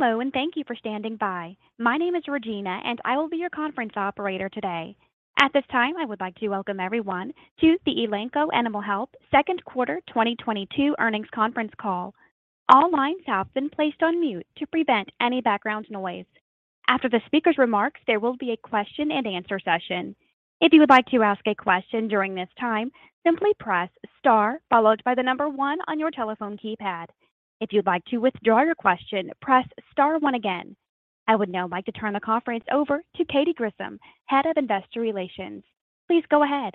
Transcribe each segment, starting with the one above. Hello, and thank you for standing by. My name is Regina, and I will be your conference operator today. At this time, I would like to welcome everyone to the Elanco Animal Health Second Quarter 2022 Earnings Conference Call. All lines have been placed on mute to prevent any background noise. After the speaker's remarks, there will be a question-and-answer session. If you would like to ask a question during this time, simply press star followed by the number one on your telephone keypad. If you'd like to withdraw your question, press star one again. I would now like to turn the conference over to Katy Grissom, Head of Investor Relations. Please go ahead.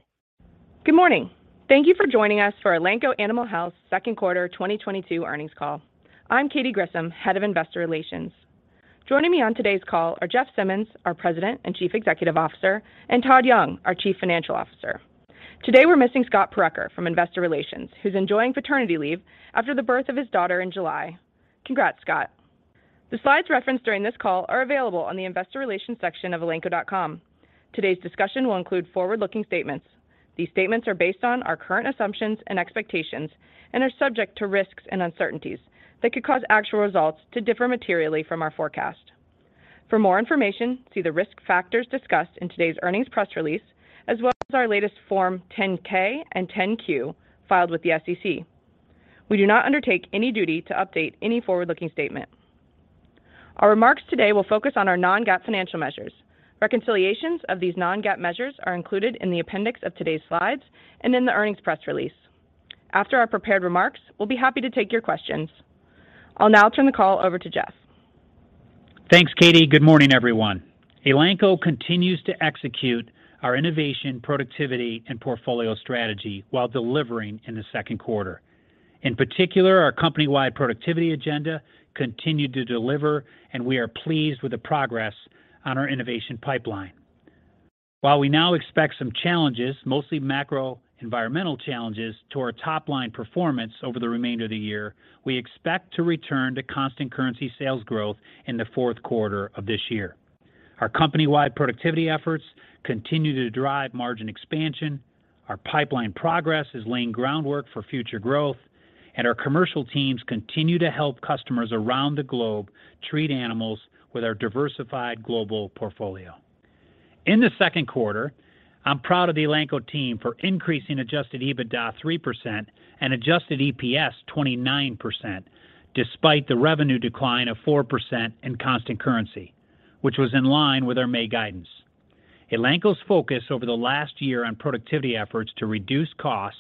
Good morning. Thank you for joining us for Elanco Animal Health Second Quarter 2022 Earnings Call. I'm Katy Grissom, Head of Investor Relations. Joining me on today's call are Jeff Simmons, our President and Chief Executive Officer, and Todd Young, our Chief Financial Officer. Today we're missing Scott Purucker from Investor Relations, who's enjoying paternity leave after the birth of his daughter in July. Congrats, Scott. The slides referenced during this call are available on the investor relations section of elanco.com. Today's discussion will include forward-looking statements. These statements are based on our current assumptions and expectations and are subject to risks and uncertainties that could cause actual results to differ materially from our forecast. For more information, see the risk factors discussed in today's earnings press release, as well as our latest Form 10-K and 10-Q filed with the SEC. We do not undertake any duty to update any forward-looking statement. Our remarks today will focus on our non-GAAP financial measures. Reconciliations of these non-GAAP measures are included in the appendix of today's slides and in the earnings press release. After our prepared remarks, we'll be happy to take your questions. I'll now turn the call over to Jeff. Thanks, Katie. Good morning, everyone. Elanco continues to execute our innovation, productivity, and portfolio strategy while delivering in the second quarter. In particular, our company-wide productivity agenda continued to deliver, and we are pleased with the progress on our innovation pipeline. While we now expect some challenges, mostly macro environmental challenges, to our top-line performance over the remainder of the year, we expect to return to constant currency sales growth in the fourth quarter of this year. Our company-wide productivity efforts continue to drive margin expansion. Our pipeline progress is laying groundwork for future growth, and our commercial teams continue to help customers around the globe treat animals with our diversified global portfolio. In the second quarter, I'm proud of the Elanco team for increasing adjusted EBITDA 3% and adjusted EPS 29% despite the revenue decline of 4% in constant currency, which was in line with our May guidance. Elanco's focus over the last year on productivity efforts to reduce costs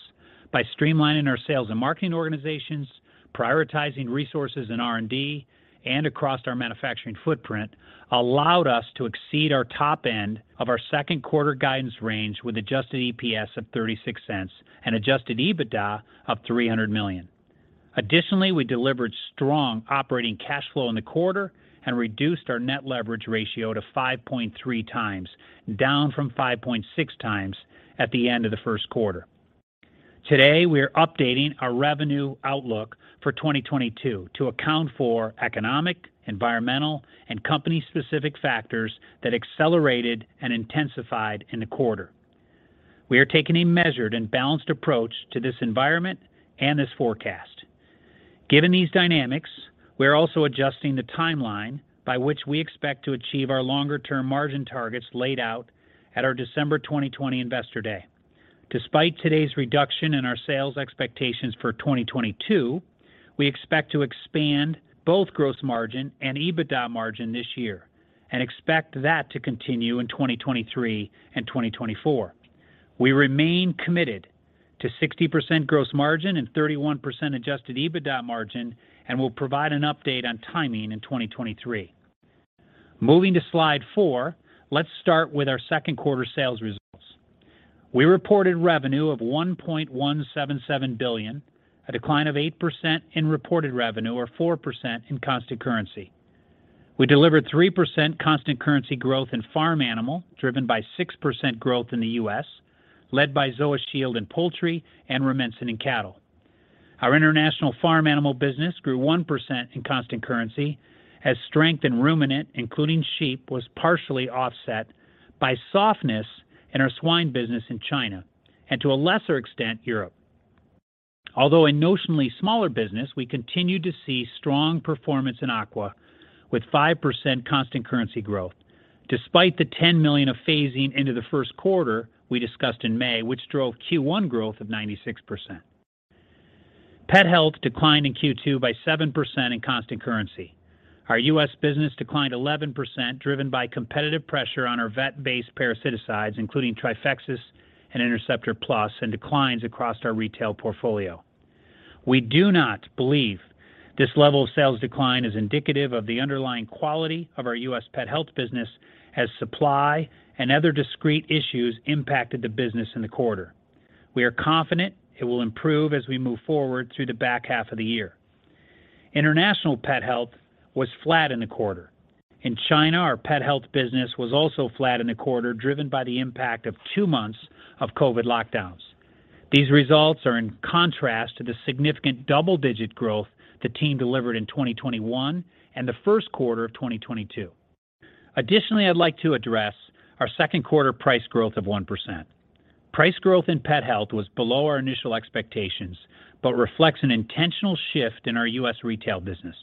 by streamlining our sales and marketing organizations, prioritizing resources in R&D, and across our manufacturing footprint, allowed us to exceed our top end of our second quarter guidance range with adjusted EPS of $0.36 and adjusted EBITDA of $300 million. Additionally, we delivered strong operating cash flow in the quarter and reduced our net leverage ratio to 5.3x, down from 5.6x at the end of the first quarter. Today, we are updating our revenue outlook for 2022 to account for economic, environmental, and company-specific factors that accelerated and intensified in the quarter. We are taking a measured and balanced approach to this environment and this forecast. Given these dynamics, we are also adjusting the timeline by which we expect to achieve our longer-term margin targets laid out at our December 2020 Investor Day. Despite today's reduction in our sales expectations for 2022, we expect to expand both gross margin and EBITDA margin this year and expect that to continue in 2023 and 2024. We remain committed to 60% gross margin and 31% adjusted EBITDA margin and will provide an update on timing in 2023. Moving to slide four, let's start with our second quarter sales results. We reported revenue of $1.177 billion, a decline of 8% in reported revenue or 4% in constant currency. We delivered 3% constant currency growth in farm animal, driven by 6% growth in the U.S., led by ZoaShield in poultry and Rumensin in cattle. Our international farm animal business grew 1% in constant currency as strength in ruminant, including sheep, was partially offset by softness in our swine business in China and to a lesser extent, Europe. Although a notionally smaller business, we continued to see strong performance in aqua with 5% constant currency growth. Despite the $10 million of phasing into the first quarter we discussed in May, which drove Q1 growth of 96%. Pet health declined in Q2 by 7% in constant currency. Our U.S. business declined 11%, driven by competitive pressure on our vet-based parasiticides, including Trifexis and Interceptor Plus, and declines across our retail portfolio. We do not believe this level of sales decline is indicative of the underlying quality of our U.S. pet health business as supply and other discrete issues impacted the business in the quarter. We are confident it will improve as we move forward through the back half of the year. International pet health was flat in the quarter. In China, our pet health business was also flat in the quarter, driven by the impact of two months of COVID lockdowns. These results are in contrast to the significant double-digit growth the team delivered in 2021 and the first quarter of 2022. Additionally, I'd like to address our second quarter price growth of 1%. Price growth in pet health was below our initial expectations, but reflects an intentional shift in our U.S. retail business.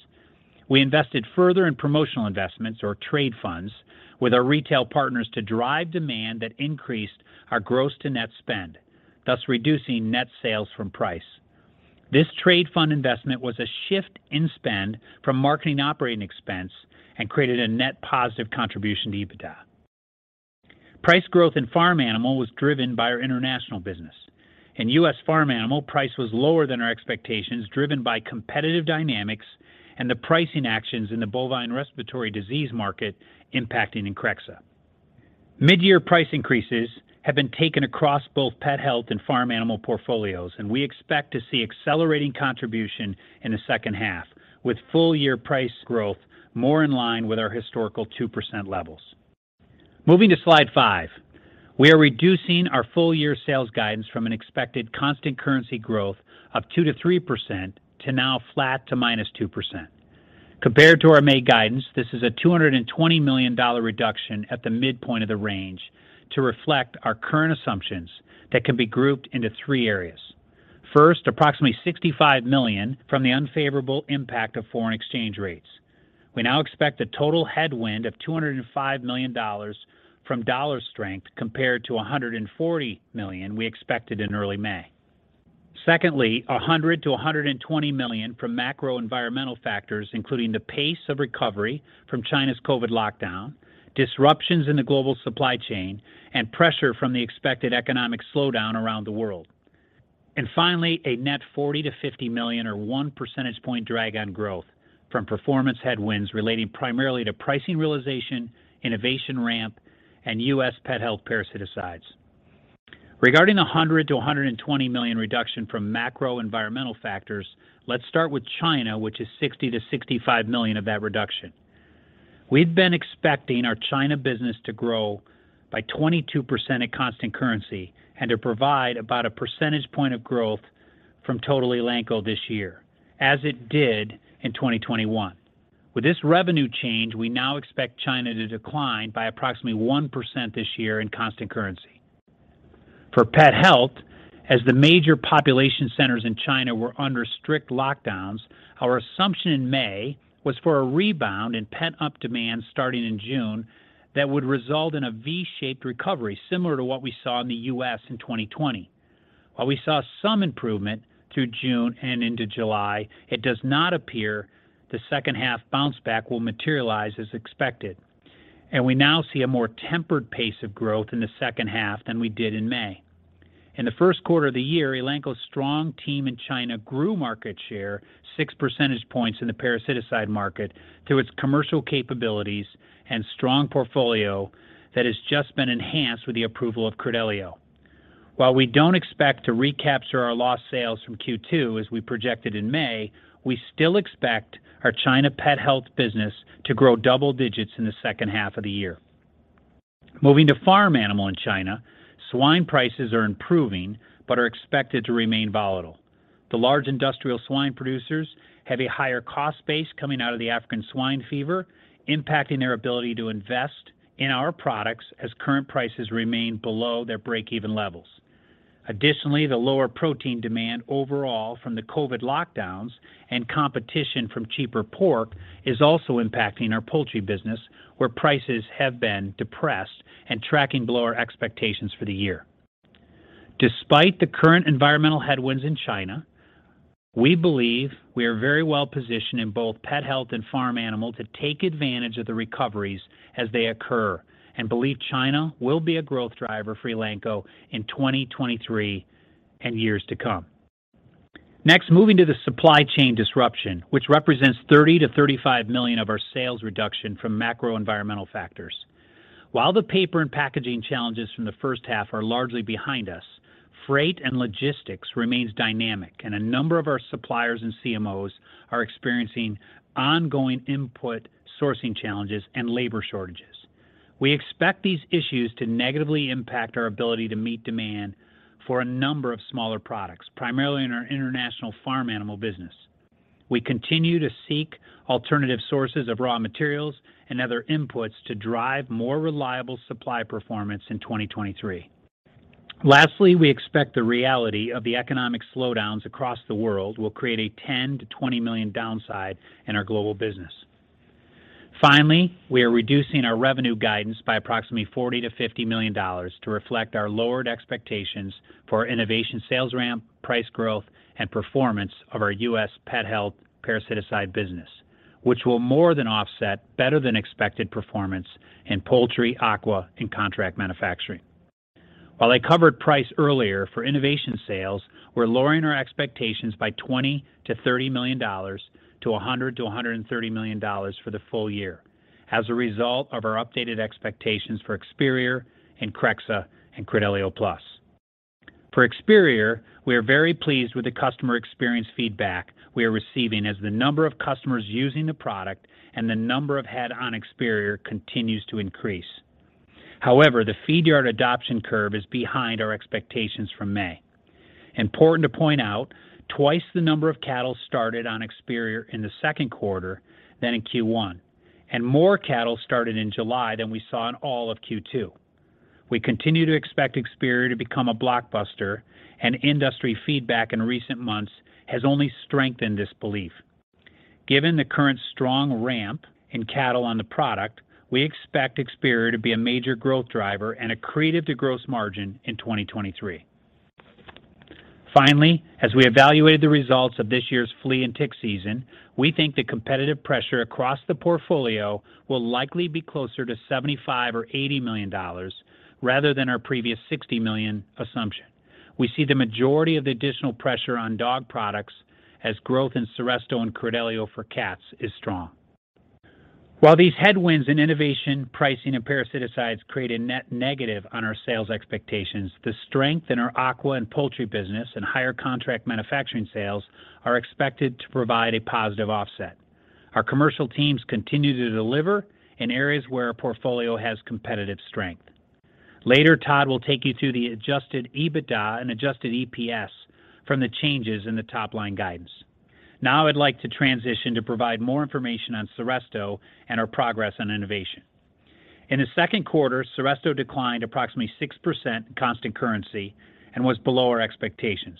We invested further in promotional investments or trade funds with our retail partners to drive demand that increased our gross-to-net spend, thus reducing net sales from price. This trade fund investment was a shift in spend from marketing operating expense and created a net positive contribution to EBITDA. Price growth in farm animal was driven by our international business. In U.S. farm animal, price was lower than our expectations, driven by competitive dynamics and the pricing actions in the bovine respiratory disease market impacting Increxxa. Mid-year price increases have been taken across both pet health and farm animal portfolios, and we expect to see accelerating contribution in the second half with full year price growth more in line with our historical 2% levels. Moving to slide five, we are reducing our full-year sales guidance from an expected constant currency growth of 2%-3% to now flat to -2%. Compared to our May guidance, this is a $220 million reduction at the midpoint of the range to reflect our current assumptions that can be grouped into three areas. First, approximately $65 million from the unfavorable impact of foreign exchange rates. We now expect a total headwind of $205 million from dollar strength compared to $140 million we expected in early May. Secondly, $100 million-$120 million from macro-environmental factors, including the pace of recovery from China's COVID lockdown, disruptions in the global supply chain, and pressure from the expected economic slowdown around the world. Finally, a net $40 million-$50 million or 1 percentage point drag on growth from performance headwinds relating primarily to pricing realization, innovation ramp, and U.S. pet health parasiticides. Regarding the $100 million-$120 million reduction from macro-environmental factors, let's start with China, which is $60 million-$65 million of that reduction. We've been expecting our China business to grow by 22% at constant currency and to provide about a 1 percentage point of growth from total Elanco this year, as it did in 2021. With this revenue change, we now expect China to decline by approximately 1% this year in constant currency. For pet health, as the major population centers in China were under strict lockdowns, our assumption in May was for a rebound in pent-up demand starting in June that would result in a V-shaped recovery, similar to what we saw in the U.S. in 2020. While we saw some improvement through June and into July, it does not appear the second-half bounce back will materialize as expected. We now see a more tempered pace of growth in the second half than we did in May. In the first quarter of the year, Elanco's strong team in China grew market share six percentage points in the parasiticide market through its commercial capabilities and strong portfolio that has just been enhanced with the approval of Credelio. While we don't expect to recapture our lost sales from Q2 as we projected in May, we still expect our China pet health business to grow double digits in the second half of the year. Moving to farm animal in China, swine prices are improving but are expected to remain volatile. The large industrial swine producers have a higher cost base coming out of the African swine fever, impacting their ability to invest in our products as current prices remain below their break-even levels. Additionally, the lower protein demand overall from the COVID lockdowns and competition from cheaper pork is also impacting our poultry business, where prices have been depressed and tracking below our expectations for the year. Despite the current environmental headwinds in China, we believe we are very well positioned in both pet health and farm animal to take advantage of the recoveries as they occur and believe China will be a growth driver for Elanco in 2023 and years to come. Next, moving to the supply chain disruption, which represents $30 million-$35 million of our sales reduction from macro-environmental factors. While the paper and packaging challenges from the first half are largely behind us, freight and logistics remains dynamic, and a number of our suppliers and CMOs are experiencing ongoing input sourcing challenges and labor shortages. We expect these issues to negatively impact our ability to meet demand for a number of smaller products, primarily in our international farm animal business. We continue to seek alternative sources of raw materials and other inputs to drive more reliable supply performance in 2023. Lastly, we expect the reality of the economic slowdowns across the world will create a $10-$20 million downside in our global business. Finally, we are reducing our revenue guidance by approximately $40-$50 million to reflect our lowered expectations for innovation sales ramp, price growth, and performance of our U.S. pet health parasiticide business, which will more than offset better than expected performance in poultry, aqua, and contract manufacturing. While I covered price earlier for innovation sales, we're lowering our expectations by $20-$30 million to $100-$130 million for the full year as a result of our updated expectations for Experior and Increxxa and Credelio PLUS. For Experior, we are very pleased with the customer experience feedback we are receiving as the number of customers using the product and the number of Head on Experior continues to increase. However, the feed yard adoption curve is behind our expectations from May. Important to point out twice the number of cattle started on Experior in the second quarter than in Q1, and more cattle started in July than we saw in all of Q2. We continue to expect Experior to become a blockbuster, and industry feedback in recent months has only strengthened this belief. Given the current strong ramp in cattle on the product, we expect Experior to be a major growth driver and accretive to gross margin in 2023. Finally, as we evaluated the results of this year's flea and tick season, we think the competitive pressure across the portfolio will likely be closer to $75 million or $80 million rather than our previous $60 million assumption. We see the majority of the additional pressure on dog products as growth in Seresto and Credelio for cats is strong. While these headwinds in innovation, pricing, and parasiticides create a net negative on our sales expectations, the strength in our aqua and poultry business and higher contract manufacturing sales are expected to provide a positive offset. Our commercial teams continue to deliver in areas where our portfolio has competitive strength. Later, Todd will take you through the adjusted EBITDA and adjusted EPS from the changes in the top-line guidance. Now I'd like to transition to provide more information on Seresto and our progress on innovation. In the second quarter, Seresto declined approximately 6% in constant currency and was below our expectations.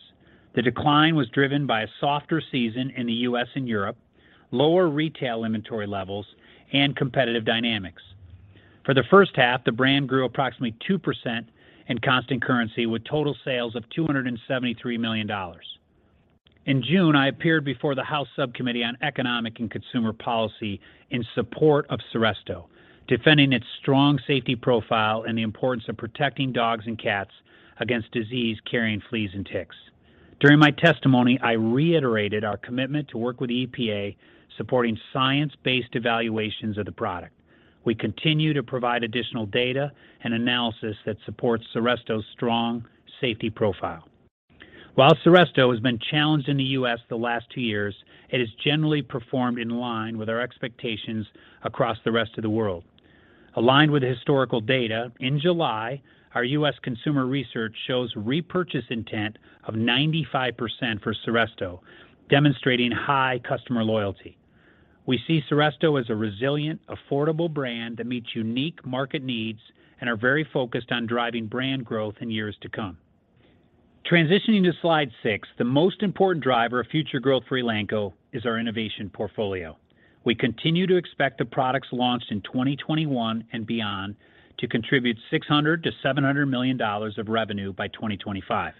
The decline was driven by a softer season in the U.S. and Europe, lower retail inventory levels, and competitive dynamics. For the first half, the brand grew approximately 2% in constant currency with total sales of $273 million. In June, I appeared before the House Subcommittee on Economic and Consumer Policy in support of Seresto, defending its strong safety profile and the importance of protecting dogs and cats against disease-carrying fleas and ticks. During my testimony, I reiterated our commitment to work with EPA supporting science-based evaluations of the product. We continue to provide additional data and analysis that supports Seresto's strong safety profile. While Seresto has been challenged in the U.S. the last two years, it has generally performed in line with our expectations across the rest of the world. Aligned with historical data, in July, our U.S. consumer research shows repurchase intent of 95% for Seresto, demonstrating high customer loyalty. We see Seresto as a resilient, affordable brand that meets unique market needs and are very focused on driving brand growth in years to come. Transitioning to slide six, the most important driver of future growth for Elanco is our innovation portfolio. We continue to expect the products launched in 2021 and beyond to contribute $600 million-$700 million of revenue by 2025.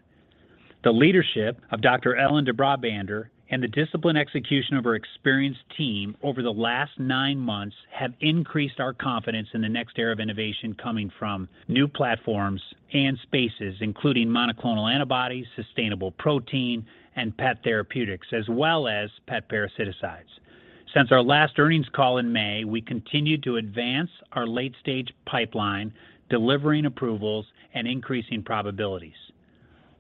The leadership of Dr. Ellen de Brabander and the disciplined execution of her experienced team over the last nine months have increased our confidence in the next era of innovation coming from new platforms and spaces, including monoclonal antibodies, sustainable protein, and pet therapeutics, as well as pet parasiticides. Since our last earnings call in May, we continued to advance our late-stage pipeline, delivering approvals and increasing probabilities.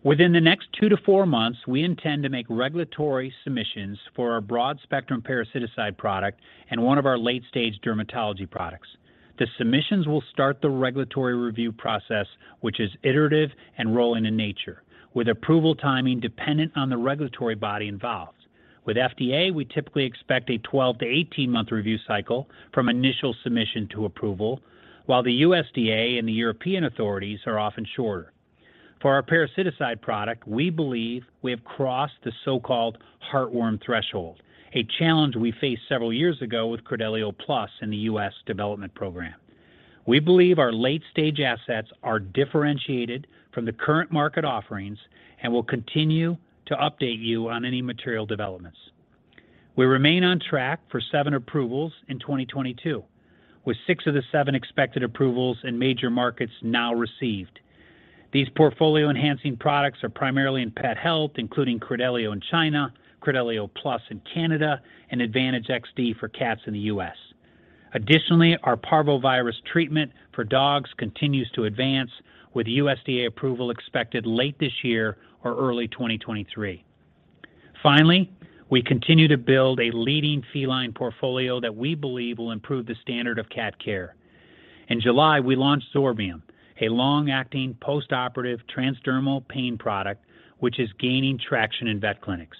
Within the next two to four months, we intend to make regulatory submissions for our broad-spectrum parasiticide product and one of our late-stage dermatology products. The submissions will start the regulatory review process, which is iterative and rolling in nature, with approval timing dependent on the regulatory body involved. With FDA, we typically expect a 12-18-month review cycle from initial submission to approval, while the USDA and the European authorities are often shorter. For our parasiticide product, we believe we have crossed the so-called heartworm threshold, a challenge we faced several years ago with Credelio PLUS in the U.S. development program. We believe our late-stage assets are differentiated from the current market offerings and will continue to update you on any material developments. We remain on track for seven approvals in 2022, with 6 of the 7 expected approvals in major markets now received. These portfolio-enhancing products are primarily in pet health, including Credelio in China, Credelio PLUS in Canada, and Advantage XD for cats in the U.S. Additionally, our parvovirus treatment for dogs continues to advance, with USDA approval expected late this year or early 2023. Finally, we continue to build a leading feline portfolio that we believe will improve the standard of cat care. In July, we launched Zorbium, a long-acting postoperative transdermal pain product which is gaining traction in vet clinics.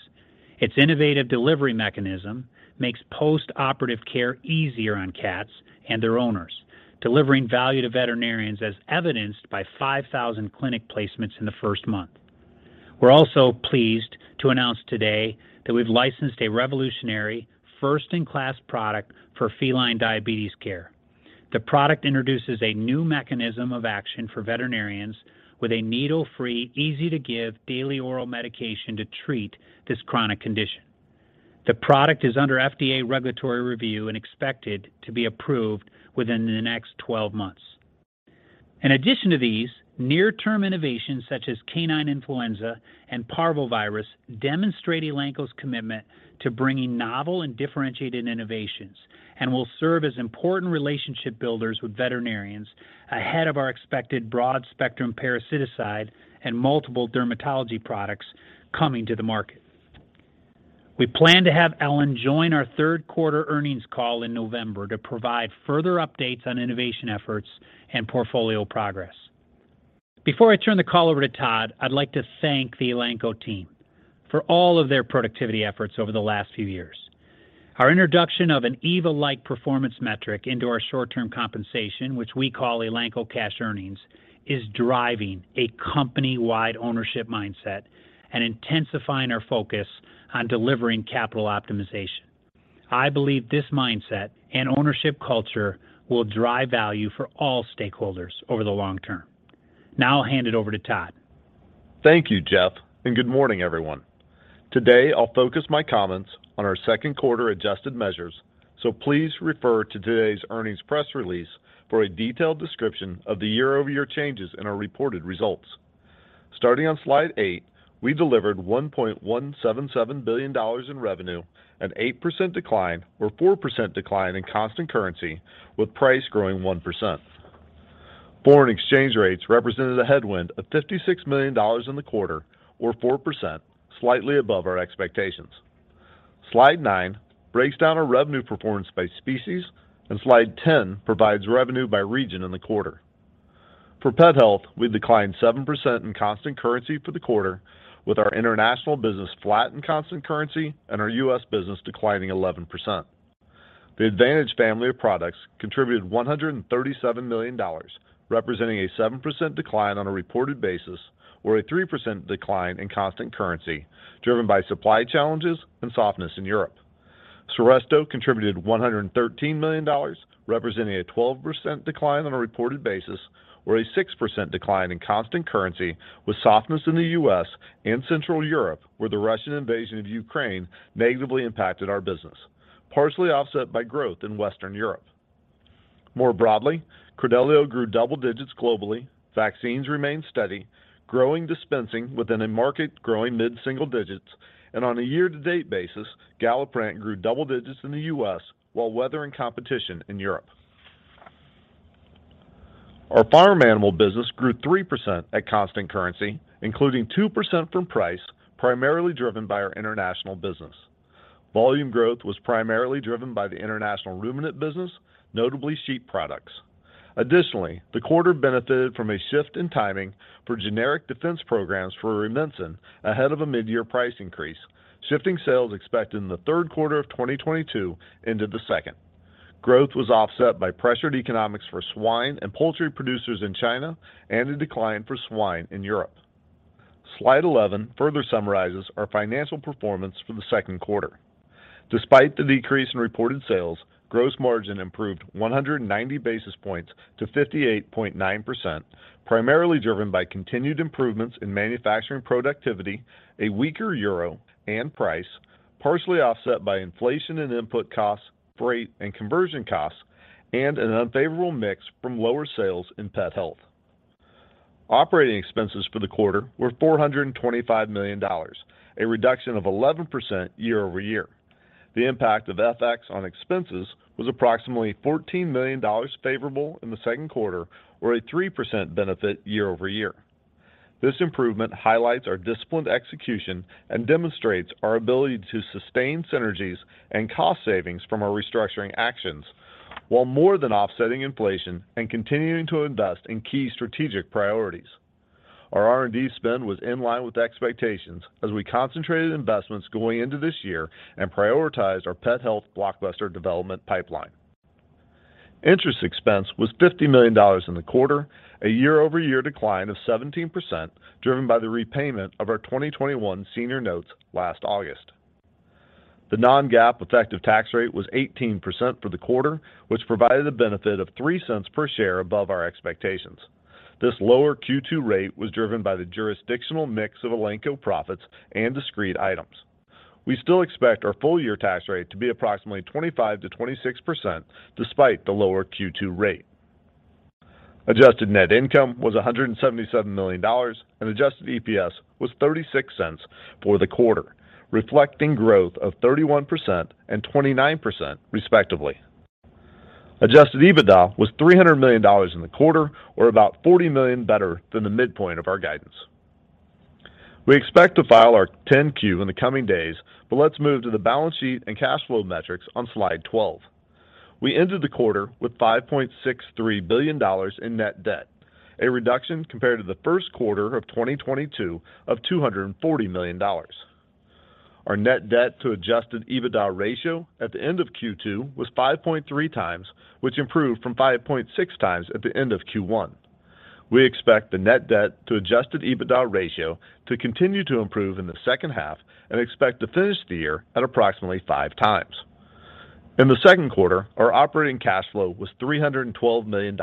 Its innovative delivery mechanism makes postoperative care easier on cats and their owners, delivering value to veterinarians as evidenced by 5,000 clinic placements in the first month. We're also pleased to announce today that we've licensed a revolutionary first-in-class product for feline diabetes care. The product introduces a new mechanism of action for veterinarians with a needle-free, easy-to-give daily oral medication to treat this chronic condition. The product is under FDA regulatory review and expected to be approved within the next 12 months. In addition to these, near-term innovations such as canine influenza and parvovirus demonstrate Elanco's commitment to bringing novel and differentiated innovations and will serve as important relationship builders with veterinarians ahead of our expected broad-spectrum parasiticide and multiple dermatology products coming to the market. We plan to have Ellen join our third quarter earnings call in November to provide further updates on innovation efforts and portfolio progress. Before I turn the call over to Todd, I'd like to thank the Elanco team for all of their productivity efforts over the last few years. Our introduction of an EVA-like performance metric into our short-term compensation, which we call Elanco cash earnings, is driving a company-wide ownership mindset and intensifying our focus on delivering capital optimization. I believe this mindset and ownership culture will drive value for all stakeholders over the long term. Now I'll hand it over to Todd. Thank you, Jeff, and good morning, everyone. Today, I'll focus my comments on our second quarter adjusted measures, so please refer to today's earnings press release for a detailed description of the year-over-year changes in our reported results. Starting on slide eight, we delivered $1.177 billion in revenue, an 8% decline or 4% decline in constant currency, with price growing 1%. Foreign exchange rates represented a headwind of $56 million in the quarter, or 4%, slightly above our expectations. Slide nine breaks down our revenue performance by species, and slide 10 provides revenue by region in the quarter. For Pet Health, we declined 7% in constant currency for the quarter, with our international business flat in constant currency and our U.S. business declining 11%. The Advantage family of products contributed $137 million, representing a 7% decline on a reported basis or a 3% decline in constant currency, driven by supply challenges and softness in Europe. Seresto contributed $113 million, representing a 12% decline on a reported basis or a 6% decline in constant currency, with softness in the U.S. and Central Europe, where the Russian invasion of Ukraine negatively impacted our business, partially offset by growth in Western Europe. More broadly, Credelio grew double digits globally. Vaccines remained steady, growing dispensing within a market growing mid-single digits. On a year-to-date basis, Galliprant grew double digits in the U.S. while weathering competition in Europe. Our farm animal business grew 3% at constant currency, including 2% from price, primarily driven by our international business. Volume growth was primarily driven by the international ruminant business, notably sheep products. Additionally, the quarter benefited from a shift in timing for generic defense programs for Rumensin ahead of a mid-year price increase, shifting sales expected in the third quarter of 2022 into the second. Growth was offset by pressured economics for swine and poultry producers in China and a decline for swine in Europe. Slide 11 further summarizes our financial performance for the second quarter. Despite the decrease in reported sales, gross margin improved 100 basis points to 58.9%, primarily driven by continued improvements in manufacturing productivity, a weaker euro, and price, partially offset by inflation in input costs, freight, and conversion costs, and an unfavorable mix from lower sales in pet health. Operating expenses for the quarter were $425 million, a reduction of 11% year-over-year. The impact of FX on expenses was approximately $14 million favorable in the second quarter or a 3% benefit year-over-year. This improvement highlights our disciplined execution and demonstrates our ability to sustain synergies and cost savings from our restructuring actions while more than offsetting inflation and continuing to invest in key strategic priorities. Our R&D spend was in line with expectations as we concentrated investments going into this year and prioritized our pet health blockbuster development pipeline. Interest expense was $50 million in the quarter, a year-over-year decline of 17%, driven by the repayment of our 2021 senior notes last August. The non-GAAP effective tax rate was 18% for the quarter, which provided a benefit of $0.03 per share above our expectations. This lower Q2 rate was driven by the jurisdictional mix of Elanco profits and discrete items. We still expect our full year tax rate to be approximately 25%-26% despite the lower Q2 rate. Adjusted net income was $177 million, and adjusted EPS was $0.36 for the quarter, reflecting growth of 31% and 29% respectively. Adjusted EBITDA was $300 million in the quarter or about $40 million better than the midpoint of our guidance. We expect to file our 10-Q in the coming days, but let's move to the balance sheet and cash flow metrics on slide 12. We ended the quarter with $5.63 billion in net debt, a reduction compared to the first quarter of 2022 of $240 million. Our net debt to adjusted EBITDA ratio at the end of Q2 was 5.3x, which improved from 5.6x at the end of Q1. We expect the net debt to adjusted EBITDA ratio to continue to improve in the second half and expect to finish the year at approximately five times. In the second quarter, our operating cash flow was $312 million,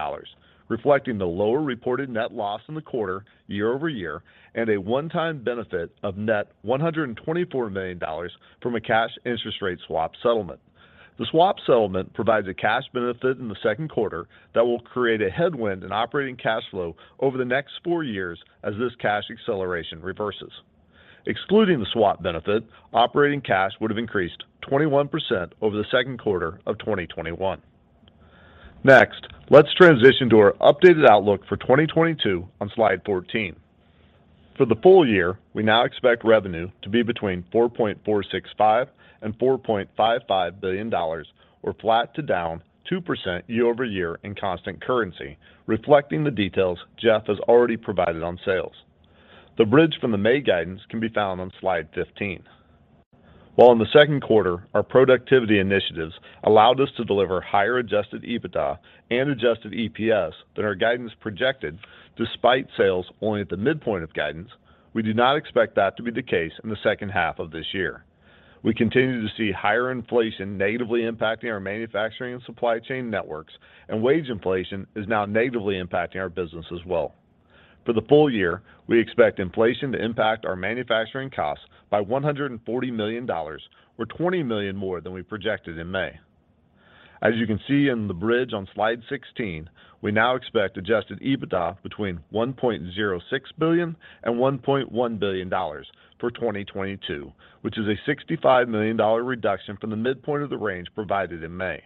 reflecting the lower reported net loss in the quarter year-over-year and a one-time benefit of net $124 million from a cash interest rate swap settlement. The swap settlement provides a cash benefit in the second quarter that will create a headwind in operating cash flow over the next four years as this cash acceleration reverses. Excluding the swap benefit, operating cash would have increased 21% over the second quarter of 2021. Next, let's transition to our updated outlook for 2022 on slide 14. For the full year, we now expect revenue to be between $4.465 billion and $4.55 billion or flat to down 2% year-over-year in constant currency, reflecting the details Jeff has already provided on sales. The bridge from the May guidance can be found on slide 15. While in the second quarter, our productivity initiatives allowed us to deliver higher adjusted EBITDA and adjusted EPS than our guidance projected despite sales only at the midpoint of guidance, we do not expect that to be the case in the second half of this year. We continue to see higher inflation negatively impacting our manufacturing and supply chain networks, and wage inflation is now negatively impacting our business as well. For the full year, we expect inflation to impact our manufacturing costs by $140 million or $20 million more than we projected in May. As you can see in the bridge on slide 16, we now expect adjusted EBITDA between $1.06 billion and $1.1 billion for 2022, which is a $65 million reduction from the midpoint of the range provided in May.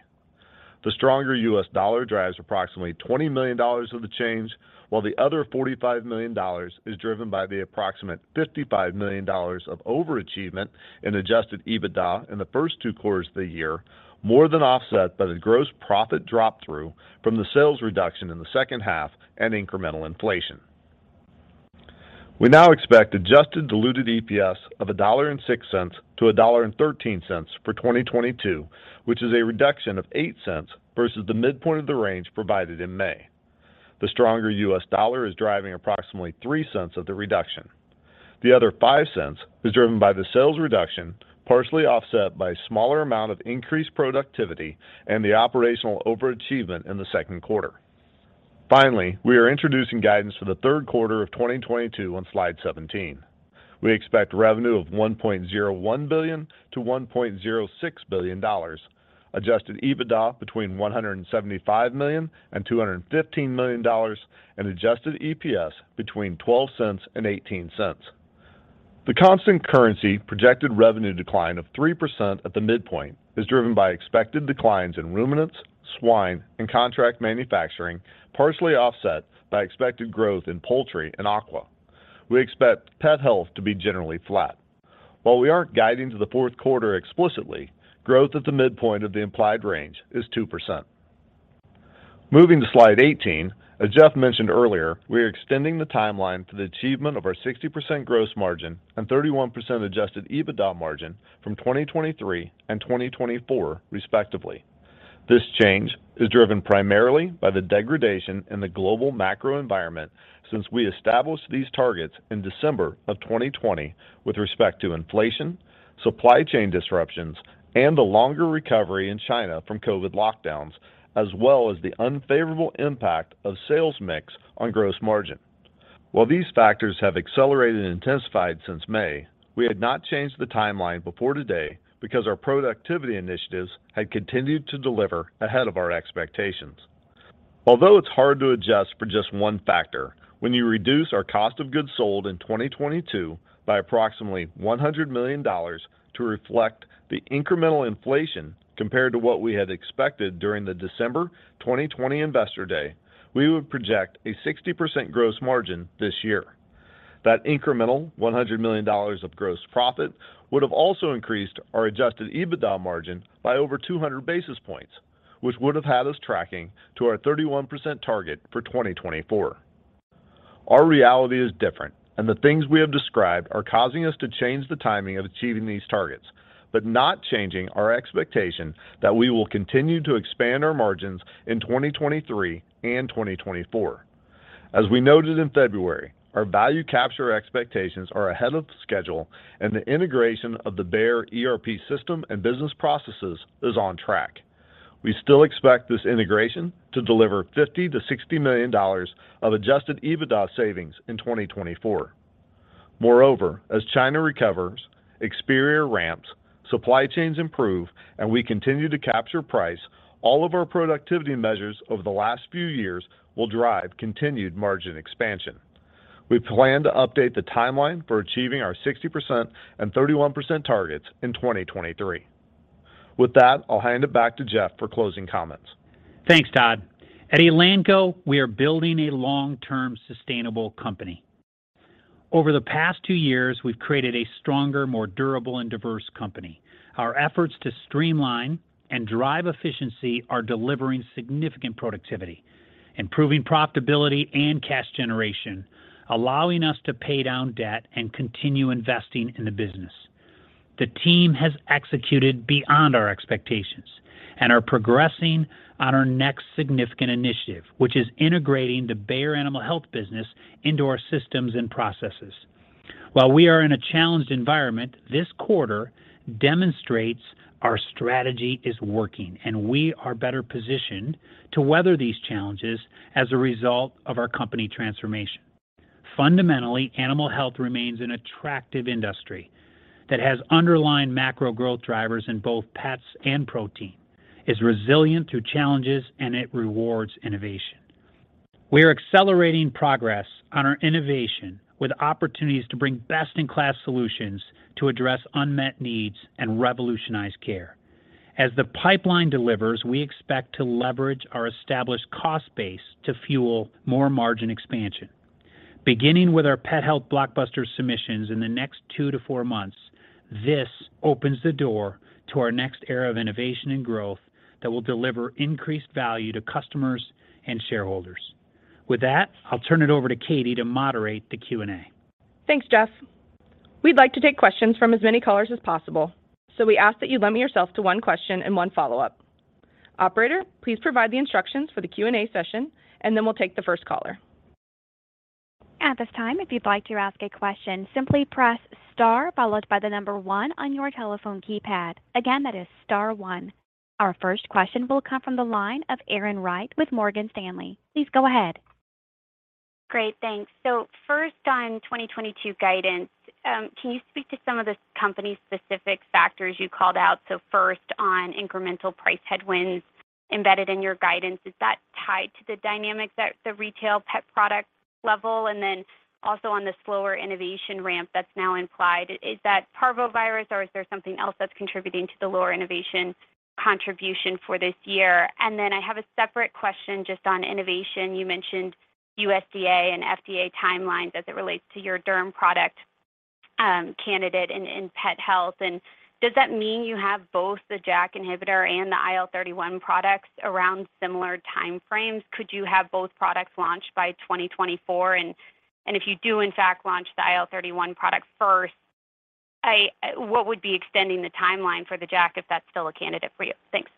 The stronger U.S. dollar drives approximately $20 million of the change, while the other $45 million is driven by the approximate $55 million of overachievement in adjusted EBITDA in the first two quarters of the year, more than offset by the gross profit drop through from the sales reduction in the second half and incremental inflation. We now expect adjusted diluted EPS of $1.06-$1.13 for 2022, which is a reduction of $0.08 versus the midpoint of the range provided in May. The stronger U.S. dollar is driving approximately $0.03 of the reduction. The other $0.05 is driven by the sales reduction, partially offset by a smaller amount of increased productivity and the operational overachievement in the second quarter. Finally, we are introducing guidance for the third quarter of 2022 on slide 17. We expect revenue of $1.01 billion-$1.06 billion, adjusted EBITDA between $175 million and $215 million, and adjusted EPS between $0.12 and $0.18. The constant currency projected revenue decline of 3% at the midpoint is driven by expected declines in ruminants, swine, and contract manufacturing, partially offset by expected growth in poultry and aqua. We expect pet health to be generally flat. While we aren't guiding to the fourth quarter explicitly, growth at the midpoint of the implied range is 2%. Moving to slide 18, as Jeff mentioned earlier, we are extending the timeline to the achievement of our 60% gross margin and 31% adjusted EBITDA margin from 2023 and 2024 respectively. This change is driven primarily by the degradation in the global macro environment since we established these targets in December 2020 with respect to inflation, supply chain disruptions, and the longer recovery in China from COVID lockdowns, as well as the unfavorable impact of sales mix on gross margin. While these factors have accelerated and intensified since May, we had not changed the timeline before today because our productivity initiatives had continued to deliver ahead of our expectations. Although it's hard to adjust for just one factor, when you reduce our cost of goods sold in 2022 by approximately $100 million to reflect the incremental inflation compared to what we had expected during the December 2020 Investor Day, we would project a 60% gross margin this year. That incremental $100 million of gross profit would have also increased our adjusted EBITDA margin by over 200 basis points, which would have had us tracking to our 31% target for 2024. Our reality is different, and the things we have described are causing us to change the timing of achieving these targets, but not changing our expectation that we will continue to expand our margins in 2023 and 2024. As we noted in February, our value capture expectations are ahead of schedule and the integration of the Bayer ERP system and business processes is on track. We still expect this integration to deliver $50 million-$60 million of adjusted EBITDA savings in 2024. Moreover, as China recovers, Experior ramps, supply chains improve, and we continue to capture price, all of our productivity measures over the last few years will drive continued margin expansion. We plan to update the timeline for achieving our 60% and 31% targets in 2023. With that, I'll hand it back to Jeff for closing comments. Thanks, Todd. At Elanco, we are building a long-term sustainable company. Over the past two years, we've created a stronger, more durable and diverse company. Our efforts to streamline and drive efficiency are delivering significant productivity, improving profitability and cash generation, allowing us to pay down debt and continue investing in the business. The team has executed beyond our expectations and are progressing on our next significant initiative, which is integrating the Bayer Animal Health business into our systems and processes. While we are in a challenged environment, this quarter demonstrates our strategy is working, and we are better positioned to weather these challenges as a result of our company transformation. Fundamentally, animal health remains an attractive industry that has underlying macro growth drivers in both pets and protein, is resilient through challenges, and it rewards innovation. We're accelerating progress on our innovation with opportunities to bring best-in-class solutions to address unmet needs and revolutionize care. As the pipeline delivers, we expect to leverage our established cost base to fuel more margin expansion. Beginning with our pet health blockbuster submissions in the next two to four months, this opens the door to our next era of innovation and growth that will deliver increased value to customers and shareholders. With that, I'll turn it over to Katie to moderate the Q&A. Thanks, Jeff. We'd like to take questions from as many callers as possible, so we ask that you limit yourself to one question and one follow-up. Operator, please provide the instructions for the Q&A session, and then we'll take the first caller. At this time, if you'd like to ask a question, simply press Star followed by the number one on your telephone keypad. Again, that is star one. Our first question will come from the line of Erin Wright with Morgan Stanley. Please go ahead. Great. Thanks. First on 2022 guidance, can you speak to some of the company's specific factors you called out? First on incremental price headwinds embedded in your guidance, is that tied to the dynamics at the retail pet product level? Then also on the slower innovation ramp that's now implied, is that parvovirus or is there something else that's contributing to the lower innovation contribution for this year? Then I have a separate question just on innovation. You mentioned USDA and FDA timelines as it relates to your derm product candidate in pet health. Does that mean you have both the JAK inhibitor and the IL-31 products around similar time frames? Could you have both products launched by 2024? If you do in fact launch the IL-31 product first, what would be extending the timeline for the JAK if that's still a candidate for you? Thanks.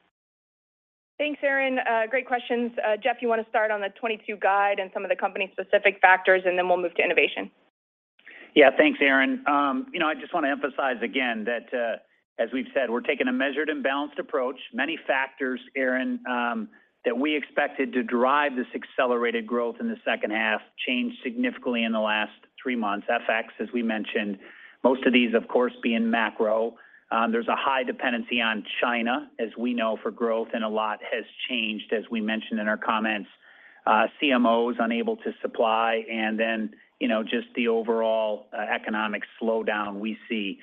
Thanks, Erin. Great questions. Jeff, you want to start on the 2022 guide and some of the company-specific factors, and then we'll move to innovation. Yeah. Thanks, Erin. You know, I just want to emphasize again that, as we've said, we're taking a measured and balanced approach. Many factors, Erin, that we expected to drive this accelerated growth in the second half changed significantly in the last three months. FX, as we mentioned, most of these, of course, being macro. There's a high dependency on China, as we know, for growth, and a lot has changed, as we mentioned in our comments. CMOs unable to supply and then, you know, just the overall economic slowdown we see.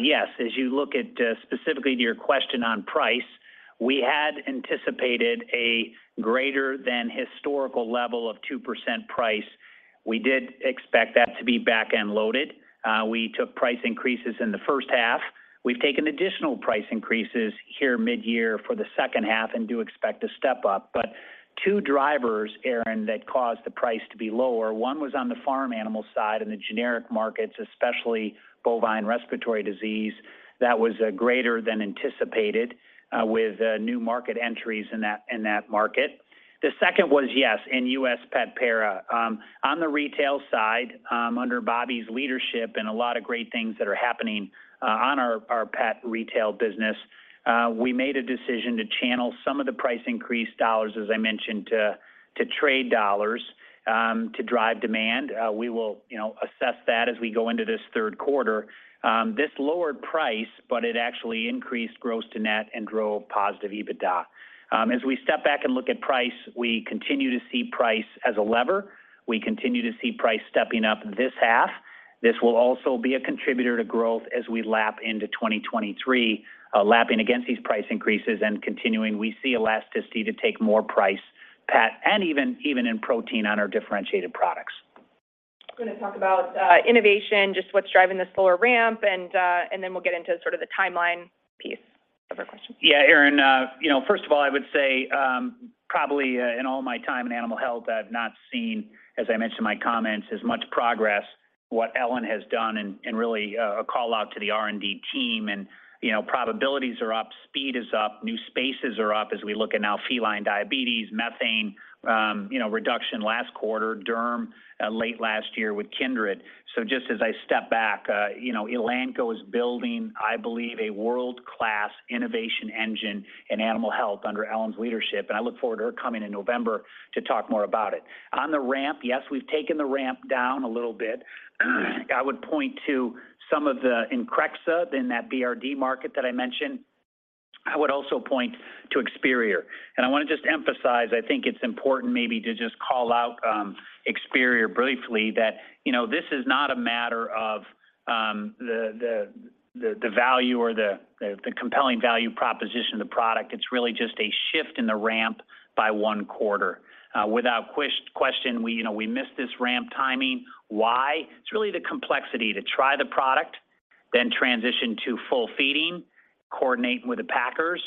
Yes. As you look at, specifically to your question on price, we had anticipated a greater than historical level of 2% price. We did expect that to be back-end loaded. We took price increases in the first half. We've taken additional price increases here mid-year for the second half and do expect to step up. Two drivers, Erin, that caused the price to be lower. One was on the farm animal side in the generic markets, especially bovine respiratory disease. That was greater than anticipated with new market entries in that market. The second was, yes, in U.S. Pet Para. On the retail side, under Bobby's leadership and a lot of great things that are happening on our pet retail business, we made a decision to channel some of the price increase dollars, as I mentioned, to trade dollars to drive demand. We will, you know, assess that as we go into this third quarter. This lowered price, but it actually increased gross-to-net and drove positive EBITDA. As we step back and look at price, we continue to see price as a lever. We continue to see price stepping up this half. This will also be a contributor to growth as we lap into 2023, lapping against these price increases and continuing. We see elasticity to take more price, pet, and even in protein on our differentiated products. I'm going to talk about innovation, just what's driving the slower ramp, and then we'll get into sort of the timeline piece of our question. Yeah. Erin, you know, first of all, I would say, probably, in all my time in animal health, I've not seen, as I mentioned in my comments, as much progress what Ellen has done and really, a call out to the R&D team. You know, probabilities are up, speed is up, new spaces are up as we look at now feline diabetes, methane, you know, reduction last quarter, derm, late last year with Kindred. Just as I step back, you know, Elanco is building, I believe, a world-class innovation engine in animal health under Ellen's leadership. I look forward to her coming in November to talk more about it. On the ramp, yes, we've taken the ramp down a little bit. I would point to some of the Increxxa in that BRD market that I mentioned. I would also point to Experior. I want to just emphasize, I think it's important maybe to just call out Experior briefly that, you know, this is not a matter of the value or the compelling value proposition of the product. It's really just a shift in the ramp by one quarter. Without question, you know, we missed this ramp timing. Why? It's really the complexity to try the product, then transition to full feeding, coordinate with the packers.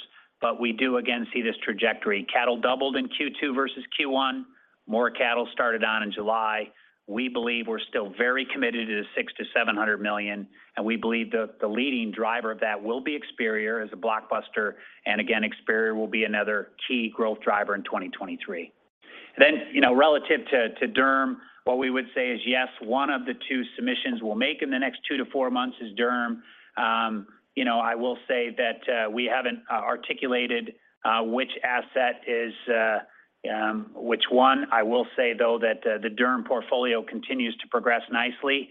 We do again see this trajectory. Cattle doubled in Q2 versus Q1. More cattle started on in July. We believe we're still very committed to the $600 million-$700 million, and we believe the leading driver of that will be Experior as a blockbuster, and again, Experior will be another key growth driver in 2023. You know, relative to derm, what we would say is, yes, one of the two submissions we'll make in the next two to four months is derm. You know, I will say that we haven't articulated which asset is which one. I will say, though, that the derm portfolio continues to progress nicely,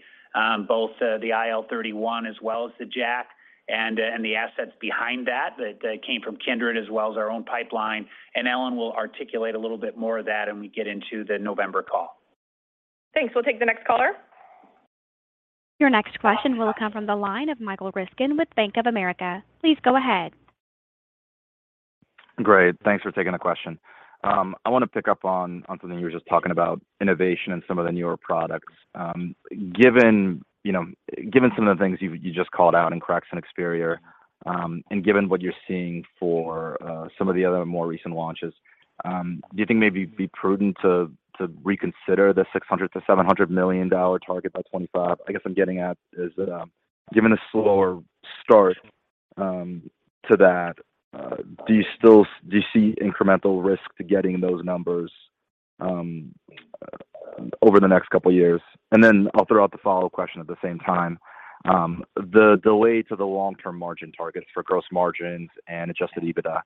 both the IL-31 as well as the JAK and the assets behind that that came from Kindred as well as our own pipeline. Ellen will articulate a little bit more of that when we get into the November call. Thanks. We'll take the next caller. Your next question will come from the line of Michael Ryskin with Bank of America. Please go ahead. Great. Thanks for taking the question. I want to pick up on something you were just talking about innovation and some of the newer products. Given, you know, given some of the things you just called out in Increxxa and Experior, and given what you're seeing for some of the other more recent launches, do you think maybe it'd be prudent to reconsider the $600 million-$700 million target by 2025? I guess I'm getting at is that, given a slower start to that, do you see incremental risk to getting those numbers over the next couple of years? Then I'll throw out the follow-up question at the same time. The delay to the long-term margin targets for gross margins and adjusted EBITDA,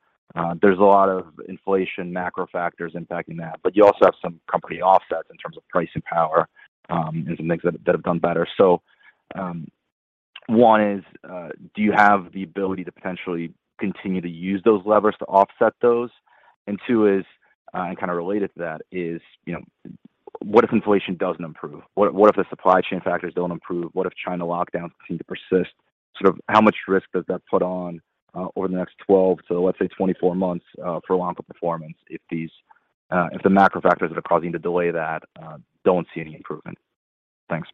there's a lot of inflation, macro factors impacting that, but you also have some company offsets in terms of pricing power, and some things that have done better. One is, do you have the ability to potentially continue to use those levers to offset those? And two is, and kind of related to that is, you know, what if inflation doesn't improve? What if the supply chain factors don't improve? What if China lockdowns seem to persist? Sort of how much risk does that put on, over the next 12 to, let's say, 24 months, for Elanco performance if the macro factors that are causing the delay don't see any improvement? Thanks.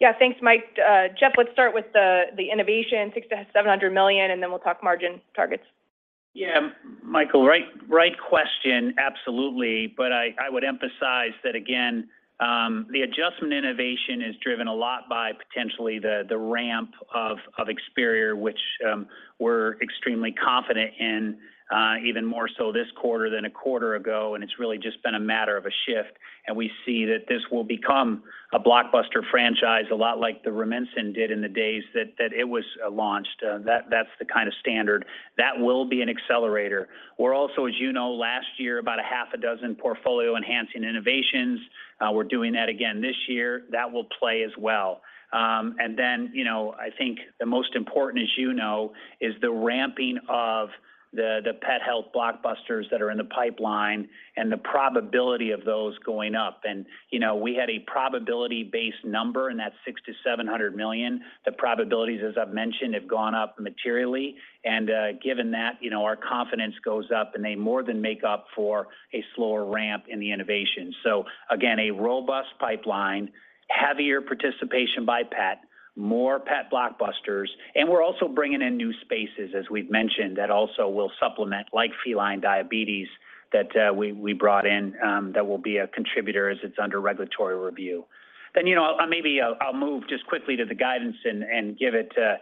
Yeah. Thanks, Mike. Jeff, let's start with the innovation $600 million-$700 million, and then we'll talk margin targets. Yeah, Michael, right question. Absolutely. I would emphasize that again, the adjacency innovation is driven a lot by potentially the ramp of Experior, which we're extremely confident in, even more so this quarter than a quarter ago. It's really just been a matter of a shift. We see that this will become a blockbuster franchise a lot like the Rumensin did in the days that it was launched. That's the kind of standard. That will be an accelerator. We're also, as you know, last year about a half a dozen portfolio enhancing innovations. We're doing that again this year. That will play as well. you know, I think the most important, as you know, is the ramping of the pet health blockbusters that are in the pipeline and the probability of those going up. you know, we had a probability-based number in that $600 million-$700 million. The probabilities, as I've mentioned, have gone up materially. given that, you know, our confidence goes up, and they more than make up for a slower ramp in the innovation. again, a robust pipeline, heavier participation by pet, more pet blockbusters. we're also bringing in new spaces, as we've mentioned, that also will supplement, like feline diabetes that we brought in, that will be a contributor as it's under regulatory review. You know, I'll move just quickly to the guidance and give it to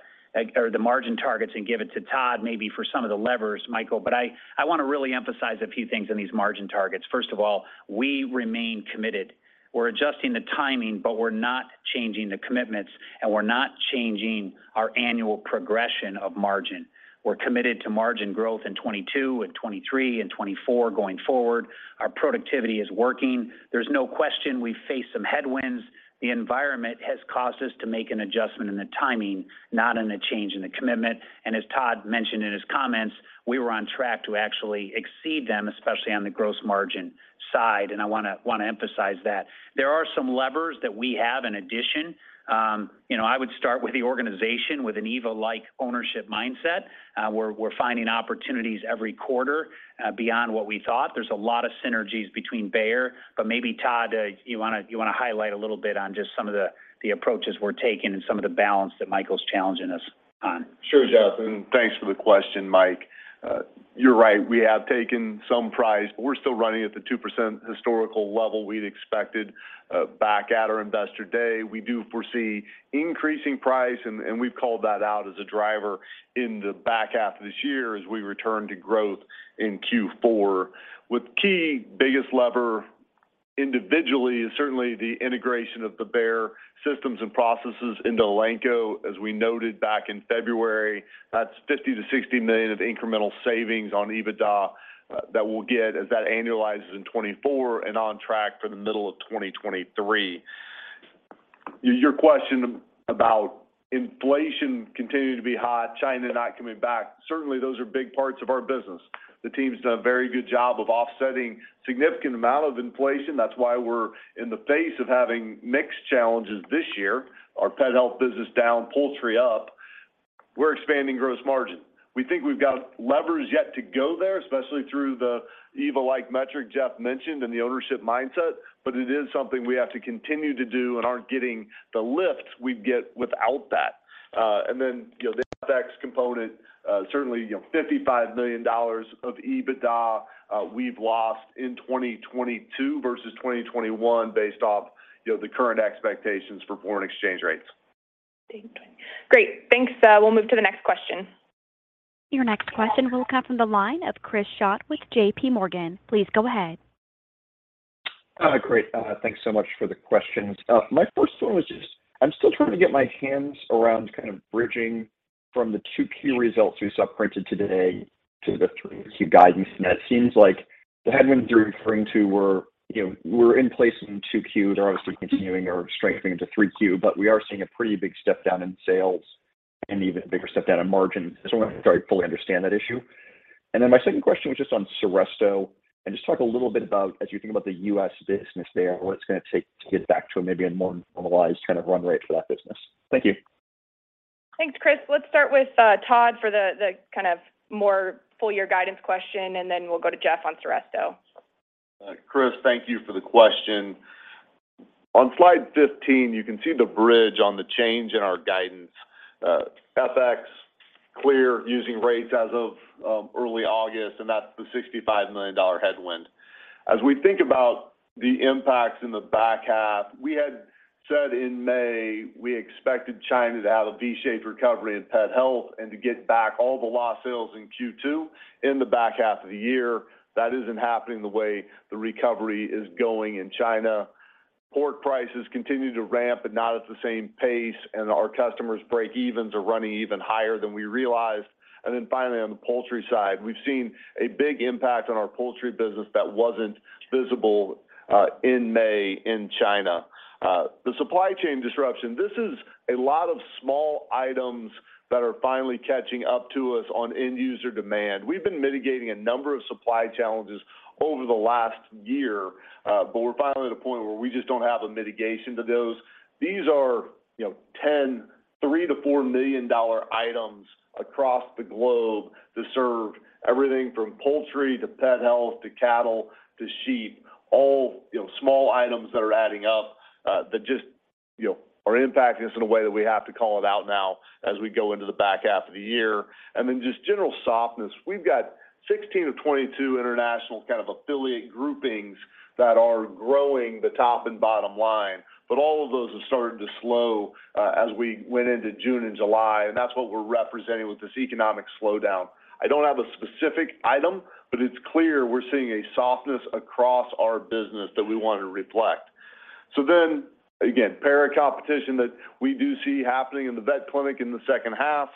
or the margin targets and give it to Todd, maybe for some of the levers, Michael. I want to really emphasize a few things in these margin targets. First of all, we remain committed. We're adjusting the timing, but we're not changing the commitments, and we're not changing our annual progression of margin. We're committed to margin growth in 2022 and 2023 and 2024 going forward. Our productivity is working. There's no question we face some headwinds. The environment has caused us to make an adjustment in the timing, not a change in the commitment. As Todd mentioned in his comments, we were on track to actually exceed them, especially on the gross margin side. I wanna emphasize that. There are some levers that we have in addition. You know, I would start with the organization with an EVA-like ownership mindset, where we're finding opportunities every quarter, beyond what we thought. There's a lot of synergies between Bayer, but maybe Todd, you wanna highlight a little bit on just some of the approaches we're taking and some of the balance that Michael's challenging us on. Sure, Jeff, and thanks for the question, Mike. You're right. We have taken some price. We're still running at the 2% historical level we'd expected back at our Investor Day. We do foresee increasing price, and we've called that out as a driver in the back half of this year as we return to growth in Q4. The key biggest lever individually is certainly the integration of the Bayer systems and processes into Elanco. As we noted back in February, that's $50 million-$60 million of incremental savings on EBITDA that we'll get as that annualizes in 2024 and on track for the middle of 2023. Your question about inflation continuing to be high, China not coming back, certainly those are big parts of our business. The team's done a very good job of offsetting significant amount of inflation. That's why we're in the face of having mixed challenges this year. Our pet health business down, poultry up. We're expanding gross margin. We think we've got levers yet to go there, especially through the EVA-like metric Jeff mentioned and the ownership mindset. But it is something we have to continue to do and aren't getting the lift we'd get without that. And then, you know, the FX component, certainly, you know, $55 million of EBITDA we've lost in 2022 versus 2021 based off, you know, the current expectations for foreign exchange rates. Great. Thanks. We'll move to the next question. Your next question will come from the line of Chris Schott with J.P. Morgan. Please go ahead. Great. Thanks so much for the questions. My first one was just I'm still trying to get my hands around kind of bridging from the two key results we saw printed today to the three key guidance. And that seems like the headwinds you're referring to were, you know, in place in 2Q. They're obviously continuing or strengthening into 3Q, but we are seeing a pretty big step down in sales and even bigger step down in margin. I'm trying to fully understand that issue. Then my second question was just on Seresto. Just talk a little bit about as you think about the U.S. business there, what it's gonna take to get back to maybe a more normalized kind of run rate for that business? Thank you. Thanks, Chris. Let's start with Todd for the kind of more full year guidance question, and then we'll go to Jeff on Seresto. Chris, thank you for the question. On slide 15, you can see the bridge on the change in our guidance. FX, we're using rates as of early August, and that's the $65 million headwind. As we think about the impacts in the back half, we had said in May we expected China to have a V-shaped recovery in pet health and to get back all the lost sales in Q2 in the back half of the year. That isn't happening the way the recovery is going in China. Pork prices continue to ramp, but not at the same pace, and our customers' break-evens are running even higher than we realized. Finally, on the poultry side, we've seen a big impact on our poultry business that wasn't visible in May in China. The supply chain disruption, this is a lot of small items that are finally catching up to us on end user demand. We've been mitigating a number of supply challenges over the last year, but we're finally at a point where we just don't have a mitigation to those. These are, you know, 10 $3 million-$4 million items across the globe to serve everything from poultry to pet health to cattle to sheep, all, you know, small items that are adding up, that just, you know, are impacting us in a way that we have to call it out now as we go into the back half of the year. Just general softness. We've got 16-22 international kind of affiliate groupings that are growing the top and bottom line, but all of those have started to slow as we went into June and July, and that's what we're representing with this economic slowdown. I don't have a specific item, but it's clear we're seeing a softness across our business that we wanted to reflect. Again, parasite competition that we do see happening in the vet clinic in the second half.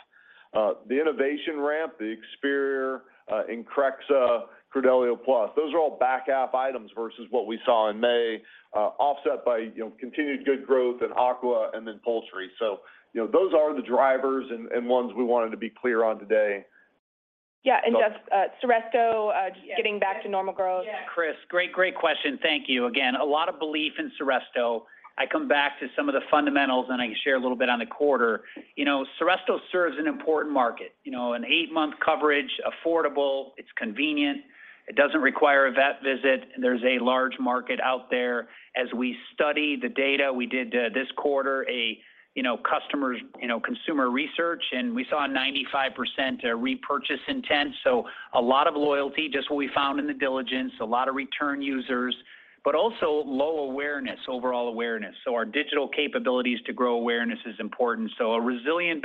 The innovation ramp, the Experior, Increxxa, Credelio PLUS, those are all back half items versus what we saw in May, offset by, you know, continued good growth in aqua and then poultry. You know, those are the drivers and ones we wanted to be clear on today. Yeah. Jeff, Seresto getting back to normal growth. Yeah. Chris, great question. Thank you. Again, a lot of belief in Seresto. I come back to some of the fundamentals, and I can share a little bit on the quarter. You know, Seresto serves an important market. You know, an eight-month coverage, affordable, it's convenient, it doesn't require a vet visit, and there's a large market out there. As we study the data, we did this quarter, you know, consumer research, and we saw 95% repurchase intent. So a lot of loyalty, just what we found in the diligence, a lot of return users, but also low awareness, overall awareness. So our digital capabilities to grow awareness is important. So a resilient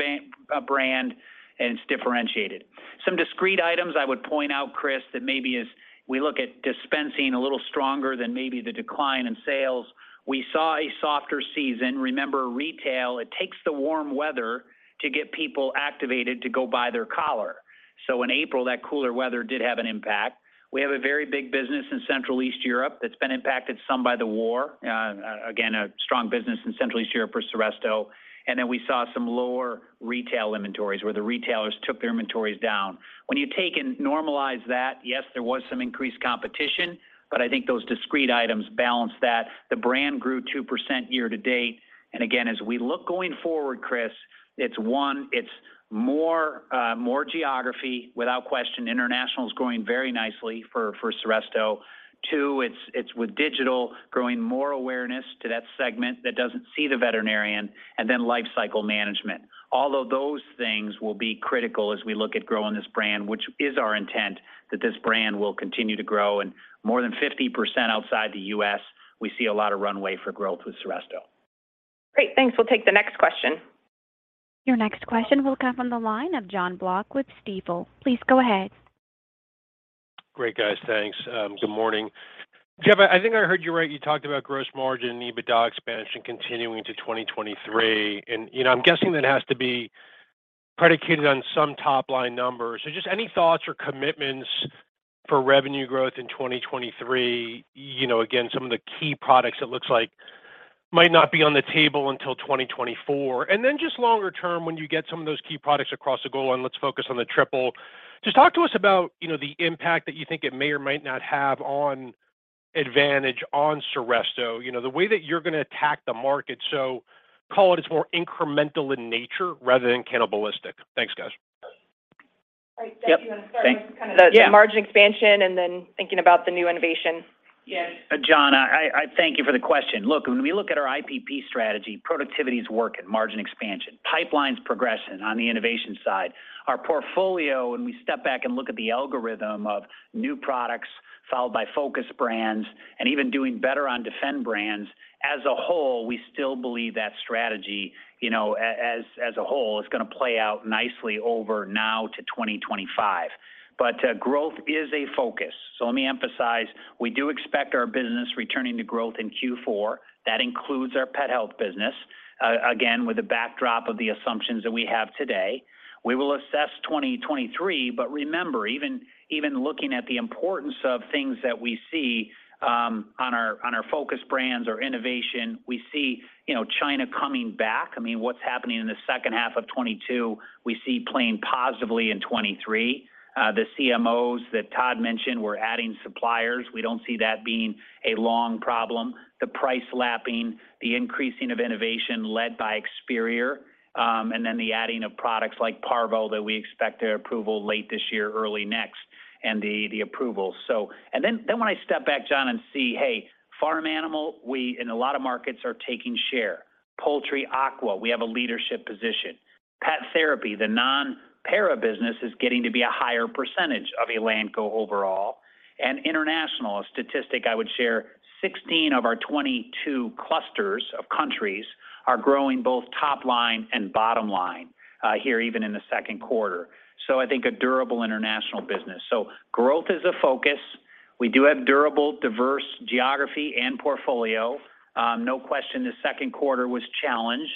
brand and it's differentiated. Some discrete items I would point out, Chris, that maybe as we look at dispensing a little stronger than maybe the decline in sales, we saw a softer season. Remember, retail, it takes the warm weather to get people activated to go buy their collar. In April, that cooler weather did have an impact. We have a very big business in Central and Eastern Europe that's been impacted some by the war. Again, a strong business in Central and Eastern Europe for Seresto. Then we saw some lower retail inventories where the retailers took their inventories down. When you take and normalize that, yes, there was some increased competition, but I think those discrete items balance that. The brand grew 2% year to date. Again, as we look going forward, Chris, it's one, it's more geography. Without question, international is growing very nicely for Seresto. Too, it's with digital, growing more awareness to that segment that doesn't see the veterinarian and then life cycle management. All of those things will be critical as we look at growing this brand, which is our intent, that this brand will continue to grow. More than 50% outside the U.S., we see a lot of runway for growth with Seresto. Great. Thanks. We'll take the next question. Your next question will come from the line of Jonathan Block with Stifel. Please go ahead. Great, guys. Thanks. Good morning. Jeff, I think I heard you right, you talked about gross margin, EBITDA expansion continuing to 2023. You know, I'm guessing that has to be predicated on some top line numbers. Just any thoughts or commitments for revenue growth in 2023? You know, again, some of the key products it looks like might not be on the table until 2024. Then just longer term, when you get some of those key products across the goal line, let's focus on Trifexis. Just talk to us about, you know, the impact that you think it may or might not have on Advantage, on Seresto. You know, the way that you're gonna attack the market. Call it it's more incremental in nature rather than cannibalistic. Thanks, guys. All right. Jeff, do you wanna start? Yeah. with kind of the margin expansion and then thinking about the new innovation? Yes. John, I thank you for the question. Look, when we look at our IPP strategy, productivity is working, margin expansion, pipelines progressing on the innovation side. Our portfolio, when we step back and look at the algorithm of new products followed by focus brands and even doing better on defend brands, as a whole, we still believe that strategy, as a whole is gonna play out nicely over now to 2025. Growth is a focus. Let me emphasize, we do expect our business returning to growth in Q4. That includes our pet health business, again, with the backdrop of the assumptions that we have today. We will assess 2023, but remember, even looking at the importance of things that we see, on our focus brands or innovation, we see China coming back. I mean, what's happening in the second half of 2022, we see playing positively in 2023. The CMOs that Todd mentioned, we're adding suppliers. We don't see that being a long problem. The price lapping, the increasing of innovation led by Experior, and then the adding of products like Parvo that we expect their approval late this year, early next. When I step back, John, and see, hey, farm animal, we in a lot of markets are taking share. Poultry, aqua, we have a leadership position. Pet therapy, the non-para business is getting to be a higher percentage of Elanco overall. International, a statistic I would share, 16 of our 22 clusters of countries are growing both top line and bottom line, here even in the second quarter. I think a durable international business. Growth is a focus. We do have durable, diverse geography and portfolio. No question, the second quarter was challenged.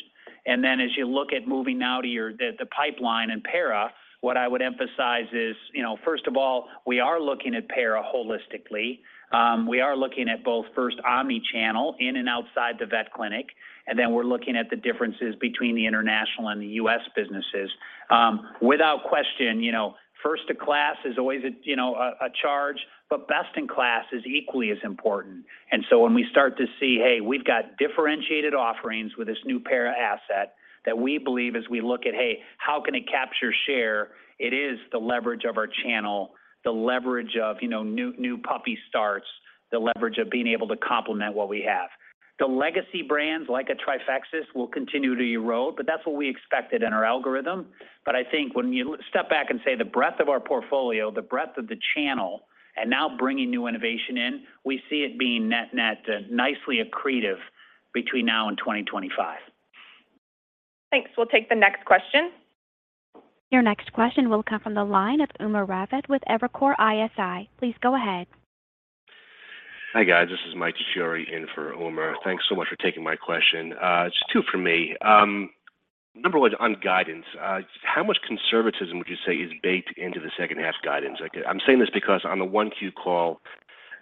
As you look at moving forward the pipeline in para, what I would emphasize is, you know, first of all, we are looking at para holistically. We are looking at both first omni-channel in and outside the vet clinic, and then we're looking at the differences between the international and the U.S. businesses. Without question, you know, first-in-class is always a challenge, but best-in-class is equally as important. When we start to see, hey, we've got differentiated offerings with this new para asset that we believe as we look at, hey, how can it capture share? It is the leverage of our channel, the leverage of, you know, new puppy starts, the leverage of being able to complement what we have. The legacy brands like a Trifexis will continue to erode, but that's what we expected in our algorithm. I think when you step back and say the breadth of our portfolio, the breadth of the channel, and now bringing new innovation in, we see it being net-net, nicely accretive between now and 2025. Thanks. We'll take the next question. Your next question will come from the line of Umer Raffat with Evercore ISI. Please go ahead. Hi, guys. This is Mike Truchuri in for Umer. Thanks so much for taking my question. It's two for me. Number one, on guidance, how much conservatism would you say is baked into the second half guidance? I'm saying this because on the 1Q call,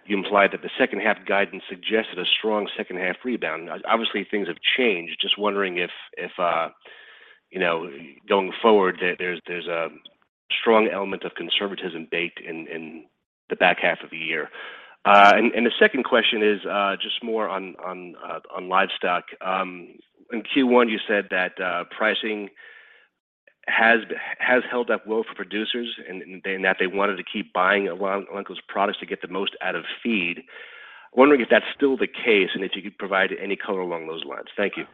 you implied that the second half guidance suggested a strong second half rebound. Obviously, things have changed. Just wondering if you know, going forward, there's a strong element of conservatism baked in the back half of the year. The second question is just more on livestock. In Q1, you said that pricing has held up well for producers and that they wanted to keep buying Elanco's products to get the most out of feed. Wondering if that's still the case and if you could provide any color along those lines. Thank you.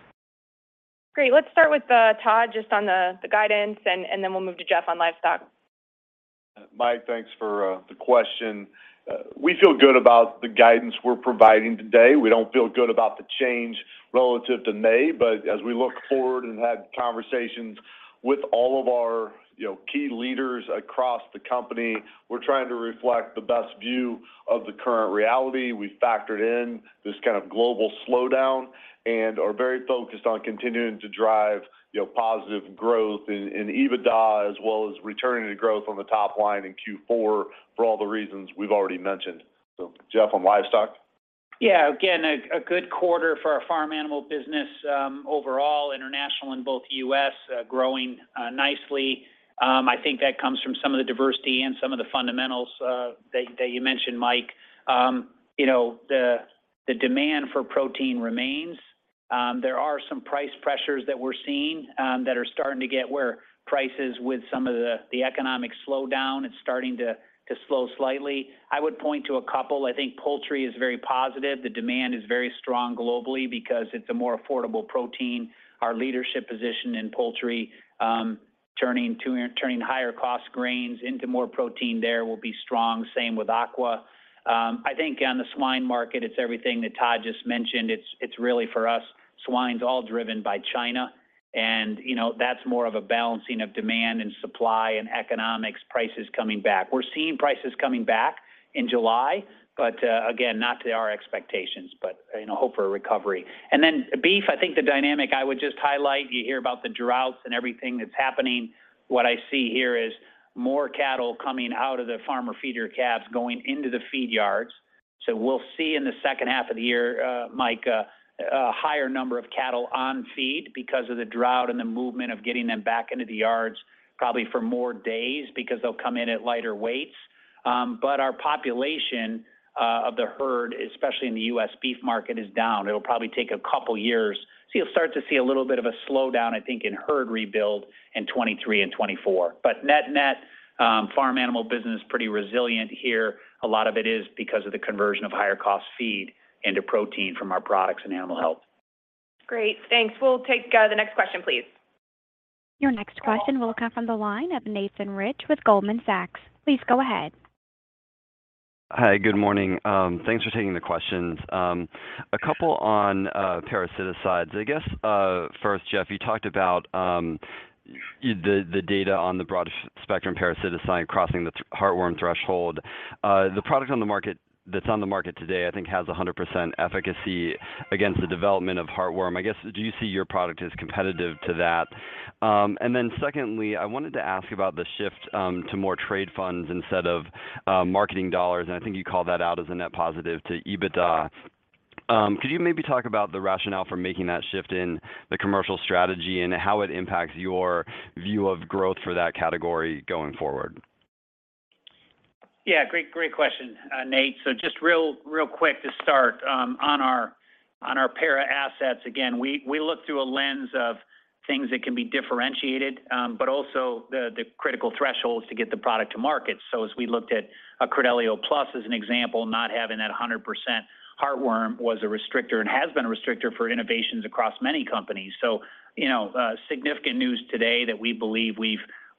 Great. Let's start with Todd, just on the guidance, and then we'll move to Jeff on livestock. Mike, thanks for the question. We feel good about the guidance we're providing today. We don't feel good about the change relative to May. As we look forward and had conversations with all of our, you know, key leaders across the company, we're trying to reflect the best view of the current reality. We factored in this, kind of, global slowdown and are very focused on continuing to drive, you know, positive growth in EBITDA, as well as returning to growth on the top line in Q4 for all the reasons we've already mentioned. Jeff, on livestock. Yeah. Again, a good quarter for our farm animal business, overall, international and both U.S., growing nicely. I think that comes from some of the diversity and some of the fundamentals that you mentioned, Mike. You know, the demand for protein remains. There are some price pressures that we're seeing that are starting to get where prices with some of the economic slowdown, it's starting to slow slightly. I would point to a couple. I think poultry is very positive. The demand is very strong globally because it's a more affordable protein. Our leadership position in poultry, turning higher cost grains into more protein there will be strong. Same with aqua. I think on the swine market, it's everything that Todd just mentioned. It's really for us, swine is all driven by China. You know, that's more of a balancing of demand and supply and economics, prices coming back. We're seeing prices coming back in July, but again, not to our expectations, but you know, hope for a recovery. Then beef, I think the dynamic I would just highlight, you hear about the droughts and everything that's happening. What I see here is more cattle coming out of the farmer feeder calves going into the feed yards. So we'll see in the second half of the year, Mike, a higher number of cattle on feed because of the drought and the movement of getting them back into the yards probably for more days because they'll come in at lighter weights. But our population of the herd, especially in the U.S. beef market, is down. It'll probably take a couple of years. You'll start to see a little bit of a slowdown, I think, in herd rebuild in 2023 and 2024. Net-net, farm animal business pretty resilient here. A lot of it is because of the conversion of higher cost feed into protein from our products and animal health. Great. Thanks. We'll take the next question, please. Your next question will come from the line of Nathan Rich with Goldman Sachs. Please go ahead. Hi. Good morning. Thanks for taking the questions. A couple on parasiticides. I guess first, Jeff, you talked about the data on the broad spectrum parasiticide crossing the heartworm threshold. The product on the market that's on the market today, I think, has 100% efficacy against the development of heartworm. I guess, do you see your product as competitive to that? And then secondly, I wanted to ask about the shift to more trade funds instead of marketing dollars, and I think you call that out as a net positive to EBITDA. Could you maybe talk about the rationale for making that shift in the commercial strategy and how it impacts your view of growth for that category going forward? Great question, Nate. Just real quick to start, on our parasite assets, again, we look through a lens of things that can be differentiated, but also the critical thresholds to get the product to market. As we looked at Credelio PLUS as an example, not having that 100% heartworm was a restrictor and has been a restrictor for innovations across many companies. You know, significant news today that we believe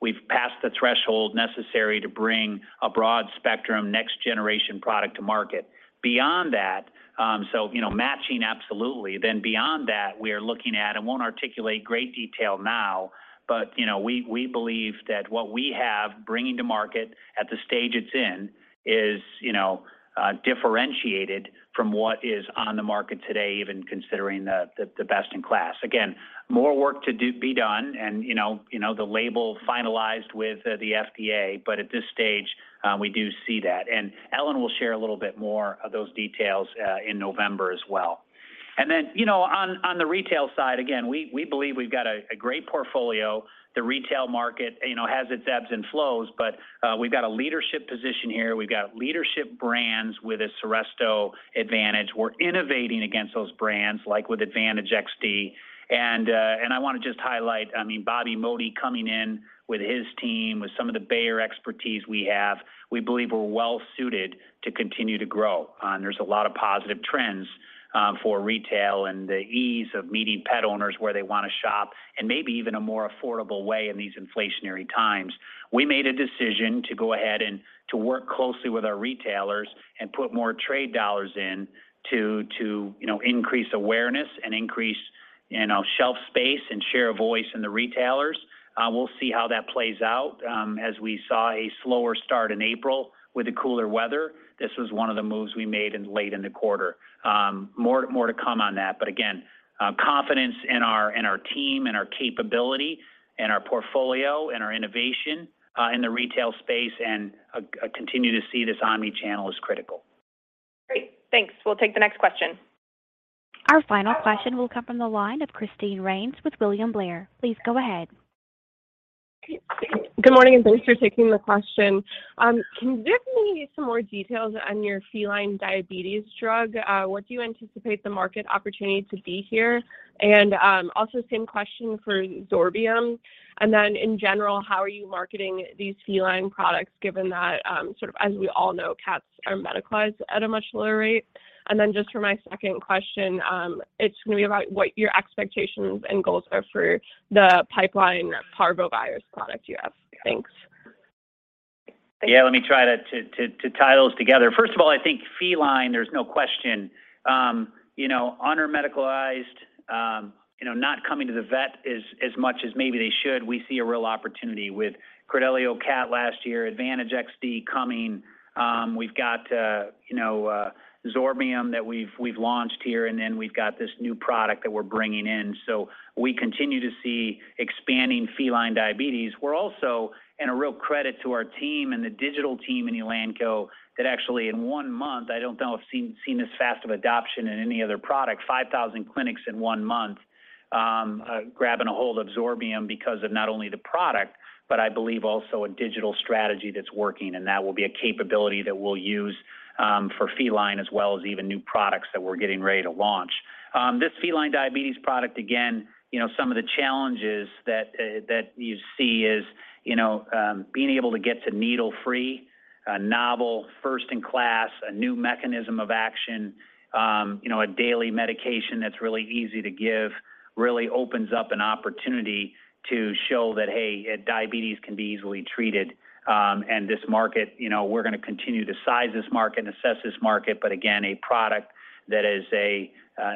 we've passed the threshold necessary to bring a broad-spectrum, next-generation product to market. Beyond that, you know, matching absolutely. Beyond that, we are looking at, and won't articulate great detail now, but you know, we believe that what we have bringing to market at the stage it's in is, you know, differentiated from what is on the market today, even considering the best in class. Again, more work to be done and, you know, the label finalized with the FDA. At this stage, we do see that. Ellen will share a little bit more of those details in November as well. On the retail side, again, we believe we've got a great portfolio. The retail market, you know, has its ebbs and flows, but we've got a leadership position here. We've got leadership brands with Seresto, Advantage. We're innovating against those brands like with Advantage XD. I wanna just highlight, I mean, Bobby Modi coming in with his team, with some of the Bayer expertise we have, we believe we're well suited to continue to grow. There's a lot of positive trends for retail and the ease of meeting pet owners where they wanna shop and maybe even a more affordable way in these inflationary times. We made a decision to go ahead and to work closely with our retailers and put more trade dollars in to, you know, increase awareness and increase, you know, shelf space and share a voice in the retailers. We'll see how that plays out, as we saw a slower start in April with the cooler weather. This was one of the moves we made in late in the quarter. More to come on that. Again, confidence in our team and our capability and our portfolio and our innovation in the retail space and continue to see this omnichannel is critical. Great. Thanks. We'll take the next question. Our final question will come from the line of Christine Rains with William Blair. Please go ahead. Good morning, and thanks for taking the question. Can you give me some more details on your feline diabetes drug? What do you anticipate the market opportunity to be here? Also, same question for Zorbium. Then in general, how are you marketing these feline products given that, sort of as we all know, cats are medicalized at a much lower rate? Then just for my second question, it's gonna be about what your expectations and goals are for the pipeline parvovirus product you have. Thanks. Yeah, let me try to tie those together. First of all, I think feline, there's no question. You know, on our medicalized, you know, not coming to the vet as much as maybe they should, we see a real opportunity with Credelio Cat last year, Advantage XD coming. We've got you know Zorbium that we've launched here, and then we've got this new product that we're bringing in. We continue to see expanding feline diabetes. We're also giving a real credit to our team and the digital team in Elanco that actually in one month, I don't know, I've seen this fast adoption in any other product, 5,000 clinics in one month, grabbing a hold of Zorbium because of not only the product, but I believe also a digital strategy that's working, and that will be a capability that we'll use for feline as well as even new products that we're getting ready to launch. This feline diabetes product, again, you know, some of the challenges that you see is, you know, being able to get to needle-free, a novel first in class, a new mechanism of action, you know, a daily medication that's really easy to give, really opens up an opportunity to show that, hey, diabetes can be easily treated. This market, you know, we're gonna continue to size this market and assess this market, but again, a product that is a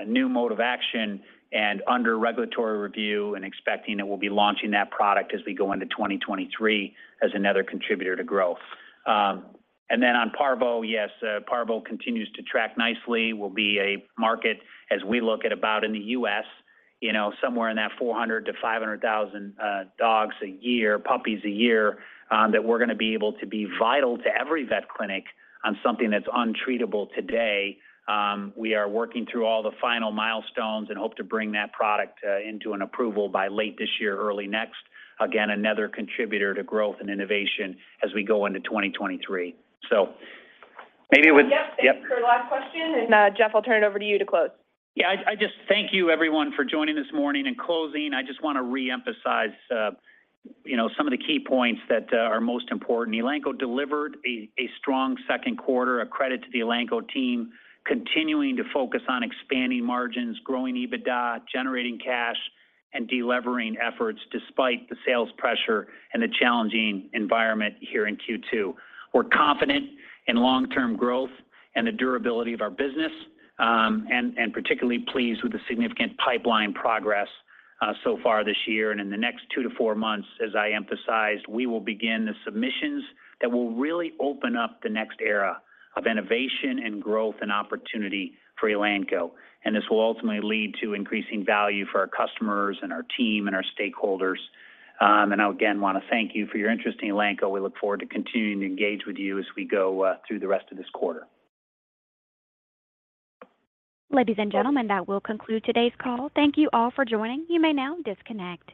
new mode of action and under regulatory review and expecting that we'll be launching that product as we go into 2023 as another contributor to growth. On parvo, yes, parvo continues to track nicely, will be a market as we look at about in the U.S., you know, somewhere in that 400,000-500,000 dogs a year, puppies a year, that we're gonna be able to be vital to every vet clinic on something that's untreatable today. We are working through all the final milestones and hope to bring that product into an approval by late this year, early next. Again, another contributor to growth and innovation as we go into 2023. Maybe with Yep. Thanks for last question. Jeff, I'll turn it over to you to close. Yeah, I just thank you, everyone, for joining this morning. In closing, I just wanna reemphasize, you know, some of the key points that are most important. Elanco delivered a strong second quarter, a credit to the Elanco team, continuing to focus on expanding margins, growing EBITDA, generating cash, and delevering efforts despite the sales pressure and the challenging environment here in Q2. We're confident in long-term growth and the durability of our business, and particularly pleased with the significant pipeline progress so far this year. In the next two to four months, as I emphasized, we will begin the submissions that will really open up the next era of innovation and growth and opportunity for Elanco. This will ultimately lead to increasing value for our customers and our team and our stakeholders. I again wanna thank you for your interest in Elanco. We look forward to continuing to engage with you as we go through the rest of this quarter. Ladies and gentlemen, that will conclude today's call. Thank you all for joining. You may now disconnect.